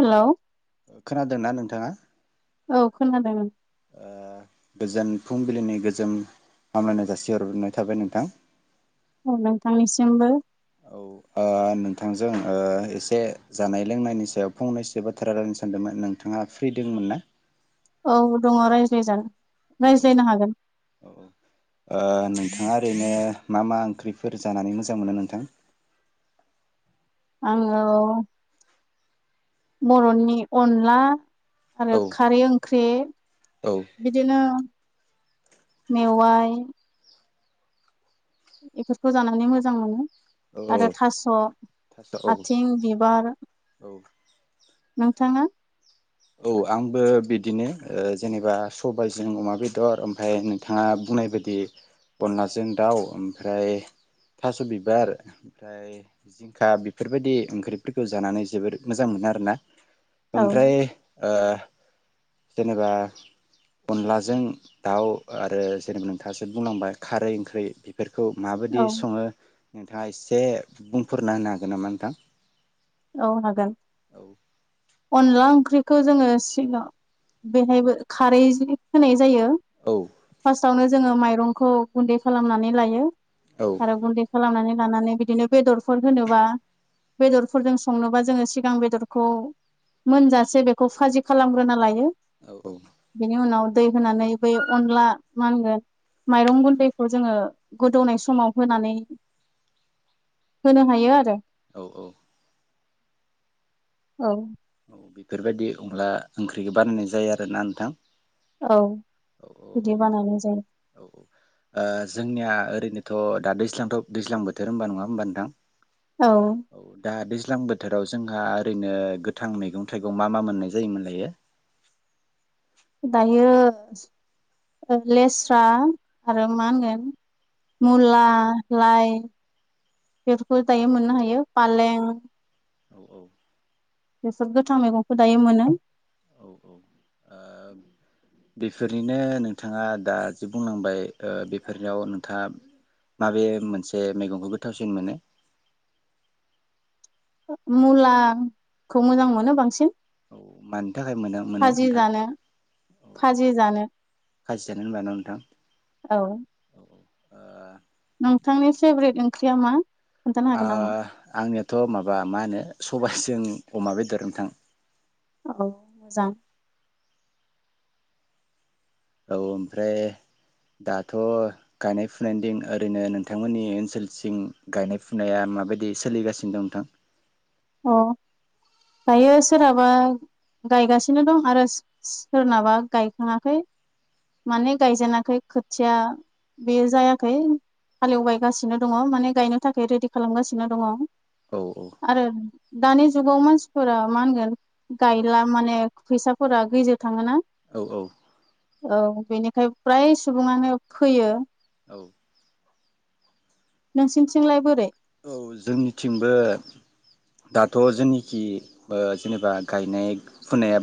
Hello? खोनादोंना नोंथाङा? औ खोनादों। ओ गोजोन फुंबिलिनि गोजोन हामलायनाय जासिहरनाय थाबाय नोंथां। औ नोंथांनिसिमबो। औ ओ नोंथांजों ओ एसे जानाय लोंनायनि सायाव फंनैसो बाथ्रा रायनो सानदोंमोन, नोंथाङा फ्रि दंमोन ना? औ दङ रायज्लाय जागोन औ औ औ औ ओ नो नोंथाङा ओरैनो मा मा ओंख्रिफोर जानानै मोजां मोनो नोंथां? आङो बर'नि अनला औ आरो खारै ओंख्रि औ बिदिनो मेवयाइ बेफोरखौ जानानै मोजां मोनो औ आरो थास' थास' औ आथिं, बिबार, औ नोंथाङा? औ आंबो बिदिनो ओ जेनेबा सबायजों अमा बेदर ओमफ्राय नोंथाङा बुंनाय बायदि अनलाजों दाउ ओमफ्राय थास' बिबार ओमफ्राय जिंखा बेफोरबायदि ओंख्रिफोरखौ जानानै जोबोद मोजां मोनो आरोना। औ ओमफ्राय ओ जेनेबा अनलाजों दाउ आरो जेनेबा नोंथाङासो बुंलांबाय खारै ओंख्रि बेफोर खौ औ माबायदि सङो नोंथाङा एसे बुंफोरना होनो हागोन नामा नोंथां? औ हागोन। औ। अनला ओंख्रिखौ जोङो सिगाङाव बेहायबो खारै जि होनाय जायो औ फार्स्तआवनो जोङो माइ रंखौ गुन्दै खालामनानै लायो औ आरो गुन्दै खालामनानै लानानै बिदिनो बेदरफोर होनोबा बेदर फोरजों संनोबा जोङो सिगां बेदरखौ मोनजासे बेखौ फाजि खालामग्रोना लायो। बेनि उनाव दै होनानै बै अनला मा होनगोन माइरं गुन्दैखौ जोङो गोदौनाय समाव होनानै होनो हायो आरो। औ औ। औ। औ बेफोरबायदि अनला ओंख्रिखौ बानायनाय जायो आरोना नोंथां? औ औ औ बिदि बानायनाय जायो ओं औ जोंनिया ओरैनो थ' दा दैज्लांथ' दैज्लां बोथोर होनबा नङा होनबा नोंथां? औ दा बे। दैज्लां बोथोराव जोंहा ओरैनो गोथां मैगं थाइगं मा मा मोननाय जायोमोनलायो। दायो लेस्रा आरो मा होनगोन मुला लाइ बेफोरखौ दायो मोननो हायो फालें औ औ बेसोर गोथां मैगंखौ दायो मोनो। औ औ ओ बेफोरनिनो नोंथाङा दा जि बुंनांबाय बेफोरनियाव नोंथाङा माबे मोनसे मैगंखौ गोथावसिन मोनो। मुलाखौ मोजां मोनो बांसिन। औ मानि थाखाय मोनो मोनो फाजि नोंथां जानो औ औ फाजि जानो। खाजि जानो होनबाय नङा नोंथां। औ औ ओ नोंथांनि फेभरेट ओंख्रिया मा? ओ हागोन नामा? आंनियाथ' माबा मा होनो सबायाइसे। जों अमा बेदर नोंथां। औ मोजां। औ ओमफ्राय दाथ' गायनाय फुनायनि दिन ओरैनो नोंथांमोननि ओनसोलसिं गायनाय फुनाया माबायदि सोलिगासिनो दं नोंथां अ दायो सोरहाबा गायगासिनो दं आरो सोरनाबा गायखाङाखै। माने गायजेनााखै खोथिया बेयो जायाखै हालेवबायगासिनो दङ माने गायनो थाखाय रेडि खालामगासिनो दङ। औ औ आरो दानि जुगाव मानसिफोरा मा होनगोन गायला माने फैसाफोरा गैजो थाङोना औ औ औ बेनिखाय फ्राय सुबुङानो फैयो औ नोंसिनिथिंलाय बोरै। औ जोंनिथिंबो दाथ' जोंनिखि जेनेबा गायनाय फुनाया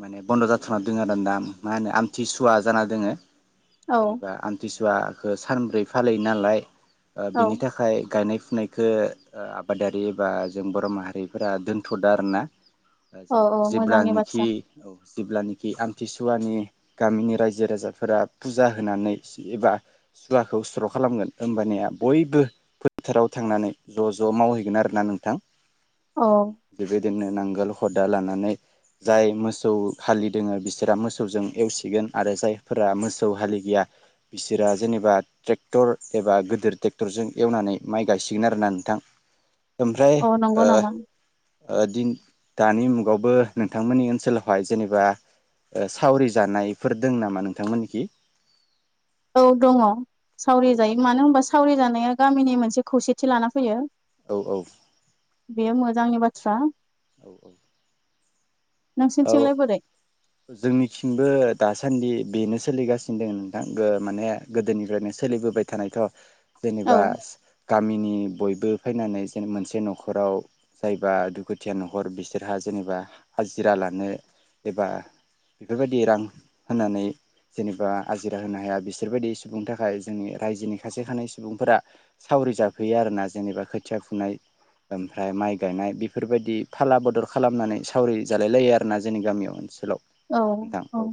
माने बन्द' जाथ'ना दङ आरो दा मा होनो आमथिसुवा जाना दोङो। औ जेनेबा आमथिसुवाखौ। सानब्रै फाैलियो नालाय। औ बिनि थाखाय गायनाय। बेखो आबादारि एबा जों बर' माहारिफोरा दोनथ'दों आर ना? औ जों औ मोजांनि बाथ्रा जेब्लाानोखि औ। जेब्लानोखि आमथिसुवानि गामिनि रायजो राजाफोरा फुजा होनानै एबा सुवाखौ स्र' खालामगोन होमबानिया बयबो फोथाराव। थांनानै ज' ज' मावहैगोन आरोना नोंथां। औ [unintelligible] दोननो नांगाल हदा लानानै जाय मोसौ हालि दोङ बिसोरा मोसौजों एवसिगोन आरो जायफोरा मोसौ हालि गैया बिसोरा जेनेबा ट्रेक्टर एबा गिदिर ट्रेक्टरजों एवनानै माइ। गायसिगोन आरोना नोंथां। ओमफ्राय औ नंगौ नामा ओ। दि दानि मुगावबो नोंथांमोननि ओनसोलावहाय जेनेबा सावरि जानायफोर दं नामा नोंथांमोननिखि औ दङ। सावरि औ जायो मानो होनोबा। सावरि जानाया गामिनि मोनसे खौसेथि लाना फैयो औ औ बेयो मोजांनि बाथ्रा औ औ औ नोंसिनिथिंलाय बोरै जोंनिथिंबो दासान्दि बेनो सोलिगासिनो दङ नोंथां माने गोदोनिफ्रायनो सोलिबोबाय थानायथ' औ जेनेबा गामिनि बयबो बो फैनानै जेन मोनसे न'खराव जायबा दुखुथिया न'खर बिसोरहा जेनेबा हाजिरा लानो एबा बेफोरबायदि रां होनानै जेनेबा आजिरा होनो हाया बिसोरबायदि सुबुंनि थाखाय जोंनि रायजोनि सासे सानै सुबुंफोरा सावरि जाफैयो आरो ना जेनेबा खोथिया फुनाय ओमफ्राय माइ गायनाय बेफोरबायदि फाला बदल खालामनानै सावरि जालाय लायो आरोना जोंनि गामि ओनसोलाव औ औ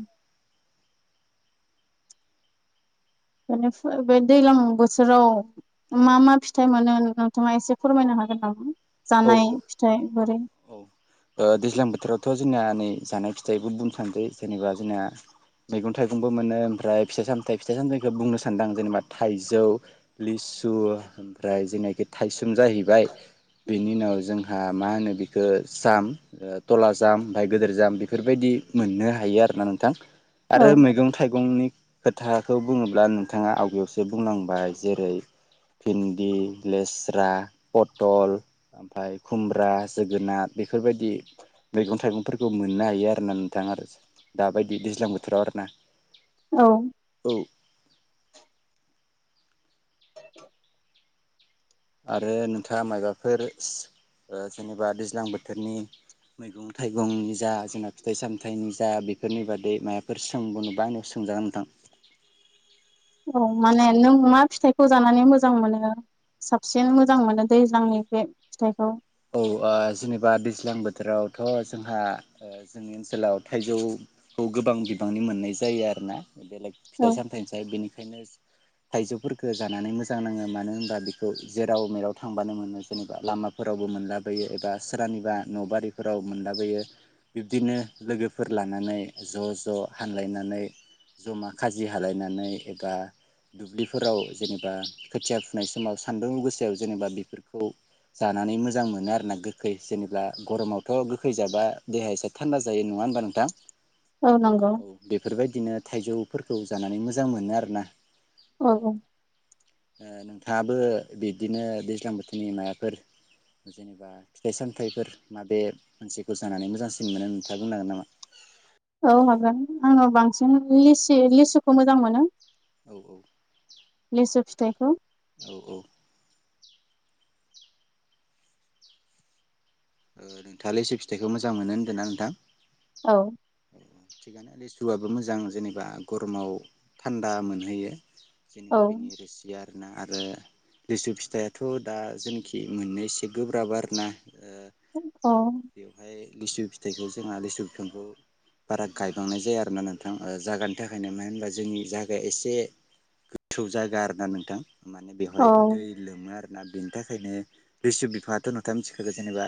बेनिफ्राय बे दैज्लां बोथोराव मा मा फिथाइ मोनो नोंथाङा एसे फोरमायनो हागोन नामा औ जानाय फिथाइ बोरै औ ओ दैज्लां बोथोरावथ' जोंना नै जानाय फिथाइबो बुंफानोसै जेनेबा जोंना मैगं थाइगंबो मोनो ओमफ्राय फिथाइ सामथायाइ फिथाइ सामथाइखौ बुंनो सानदों आं जेनेबा थाइजौ लिसु ओमफ्राय जेनाखि थाइसोम जाहैबाय बिनि उनाव जोंहा मा होनो बिखौ जाम थला जाम बमाय गिदिर जाम बेफोरबायदि मोननो हायो आरोना नोंथां औ आरो मैगं थाइगंनि खोथाखौ बुङोब्ला नोंथाङा आवगेयावसो बुंलांबाय जेरै भिन्दि लेस्रा पटल ओमफफ्राय खुमब्रा जोगोनार बेफोरबायदि मैगं थाइगंफोरखौ मोननो हायो आरोना नोंथां आरो दाबायदि दैज्लां बोथोराव आरोना औ [inaudible] [inaudible] आरो नोंथाङा माबाफोर ओ जेनेबा दैज्लां बोथोरनि मैगं थाइगंनि जा जोंना फिथाइ सामथाइनि जा बेफोरनि बादै माबाफोर सोंबावनोबा आंनियाव सोंजागोन नोंथां औ माने नों मा फिथाइ खौ जानानै मोजां मोनो साबसिन मोजां मोनो दैज्लांनि बे फिथाइखौ औ जेनेबा दैज्लां बोथोरावथ' जोंहा जोंनि ओनसोलाव थाइजौखौ गोबां बिबांनि मोननाय जायो आरोना बेलेक औ फिथाइ सामथायाइनिसाय बिनि ओंखायनो थाइजौफोरखौ जानानै मोजां नाङो मानो होनबा बेखौ जेराव मेराव थांबानो मोनो जेनेबा लामाफोर फ्रायवबो मोनला बायो एबा सोरनिबा न' बारिफोराव मोनलाबोयो बिब्दिनो लोगोफोर लानानै ज' ज' हानलायनानै जमा खाजि हालायनानै एबा दुब्लिफोराव जेनेबा खोथिया फुनाय समाव सान्दुं गोसायाव जेनेबा बेफोरखौ जानानै मोजां मोनो आरोना गोखै जेनेबा गरमावथ' गोखै जाबा देहाया एसे थान्दा जायो नङा होनबा नोंथां औ बेफोरबायदि बिदिनो थाइजौफोरखौ जानानै मोजां मोनो आरोना औ औ ओ नोंथाङाबो बिदिनो दैज्लां बोथोरनि माबाफोर जेनेबा फिथाइ सामथाइफोर माबे मोनसेखौ जानानै मोजांसिन मोनो नोथाङा बुंनांगोन नामा औ हागोन आङो बांसिन लिसि लिसुखौ मोजां मोनो औ औ लेसु फिथाइखौ औ औ नोंथाङा लिसु फिथाइखौ मोजां मोनो होनदों ना नोंथां औ औ थिगानो लिसु आबो मोजां जेनेबा गरमाव थान्दा मोनहोयो औ जेनेबा बिनि रोसिया ना आरो आरो लिसु फिथाइयाथ' दा जेनाखि मोननो एसे गोब्राब आरोना ओ औ बेवहाय लिसु फिथाइखौ जोंहा लिसु बिफांखौ बारा गायबांनाय जाया आरो ना नोंथां जायागानि थाखायनो मानो होनबा जोंनि जागाया एसे गोथौ जायागा आरोना नोंथां माने औ बेवहाय दै लोमो आरो दा बेनि थाखायनो लिसु बिफाङाथ' नोंथाङा मिथिखागौ जेनेबा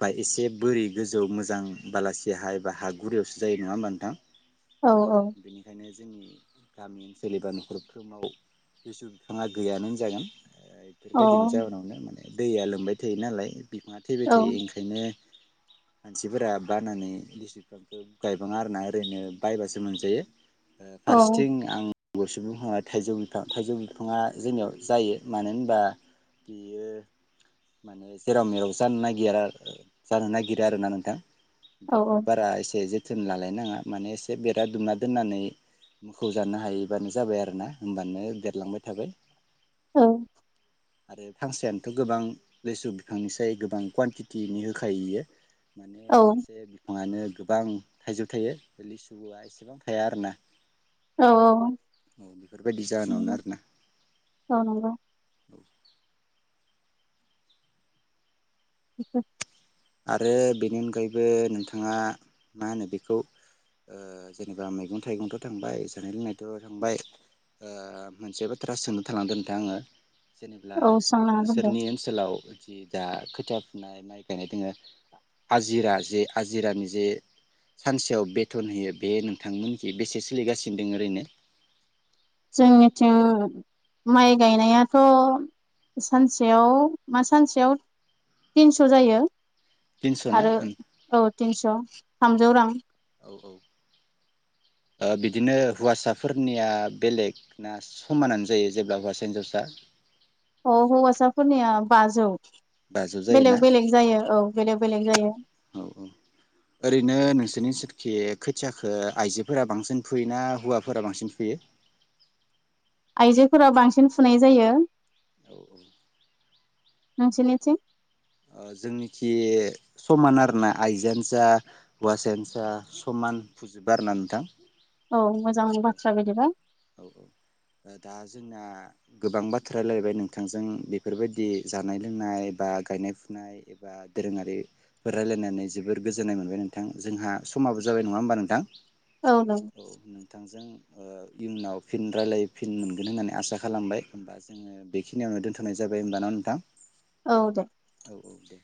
बा एसे बोरि गोजौ मोजां बालासिया हा एबा हा गुरैयावसो जायो नङा होमबा नोंथां औ बेनिखायनो जोंनि गामि ओनसोल एबा न'खरफ्रोमाव लिसु बिफाङा गैयानो होनजागोन औ बेफोरबायदिनि जाहोनावनो माने दैया लोमबाय थायो नालाय बिफां थैबाय औ थायो ओंखायनो मानसिफोरा बानानै लिसु बिफांखौ गायबाङा आरोना ओरैनो बायबासो मोनजायो औ फारसेथिं आं आं गुसु बिफाङा थाइजौ बिफां थाइजौ बिफाङा जोंनियाव जायो मानो होनबा बेयो माने जेराव मेराव ज जानो नागिरा जानो नागिरो आरोना नोंथां बेखौ बारा एसे थोन लालायनाङा माने एसे बेरा दुमना दोननानै मोखौ जानो हायैबानो जाबाय आरो ना होनबानो देरलांबाय थाबाय औ आरो फांसेयानोथ' गोबां लिसु बिफांनिसाय गो बां कवानटिटिनि होखायो बेयो माने औ मोनसे बिफाङानो गोबां थाइजौ थायो लिसुवा एसेबां थाया आरो ना औ औ जाहोनावनो नंगौ आरोना औ नंगौ बेसे आरो बेनि अनगायैबो नोंथाङा मा होनो बेखौ जेनेबा मैगं थाइगंथ' थांबाय जानाय लोंनायथ' थांबाय मोनसे बाथ्रा सोंनो थालांदों नोंथां आङो जेनेब्ला औ सोंनो हागोन दे नोंसोरनि ओनसोलाव जि दा खोथिया फुनाय माइ गायनाय दोङो आजिरा जे आजिरानि जे सानसेयाव बेथन होयो बे नोंथांमोनखि बेसे सोलिगासिनो दों ओरैनो जोंनिथिं माइ गायनायाथ' सानसेयाव मा सानसेयाव थिनस' जायो तिनस' ना आरो औ औ तिनस' थामजौ रां औ औ बिदिनो हौवासाफोरनिया बेलेग ना समानानो जायो जेब्ला हौवासा हिनजावसा औ हौवासाफोरनिया बाजौ बाजौ जायोना बेलेग औ बेलेग जायो औ बेलेग बेलेग जायो औ औ ओरैनो नोंसोरनि थि खोथियाखो आइजोफोरा बांसिन फुयो ना हौवाफोरा बांसिन फुयो? आइजोफोरा बांसिन फुनाय जायो। औ औ नोंसोरनिथिं ओ जोंनिखि समान आरोना आइजोआनो जा हौवासायानो जा समान फुजुबो आरोना नोंथां। औ मोजां बाथ्रा बिदिबा औ औ दा जोंना गोबां बाथ्रा रायलायबाय नोंथांजों बेफोरबायदि जानाय लोंनाय बा गायनाय फुनाय एबा दोरोङारिफोर रायलायनानै जोबोर गोजोननाय मोनबाय नोंथां जोंहा समाबो जाबाय नङा होमबा नोंथां। औ नों औ नोंथांजों ओ इयुनाव फिन रायलाय फिन मोनगोन होननानै आसा खालामबाय ओमबा जोङो बेखिनियावनो दोनथनाय जाबाय ओमबा ना नोंथां। औ दे। औ दे।